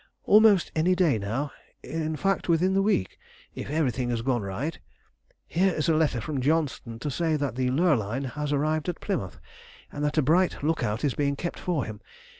"Almost any day now; in fact, within the week, if everything has gone right. Here is a letter from Johnston to say that the Lurline has arrived at Plymouth, and that a bright look out is being kept for him.